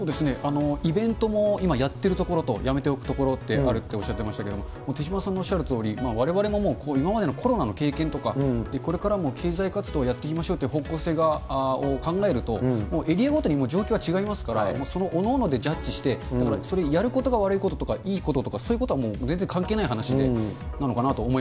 イベントも今やっている所とやめておく所とあるって、おっしゃってましたけど、手嶋さんがおっしゃるとおり、われわれも今までのコロナの経験とか、これからの経済活動をやっていきましょうという方向性を考えると、もうエリアごとに状況が違いますから、各々でジャッジして、それ、やることが悪いこととかいいこととか、そういうことはもう全然関ですよね。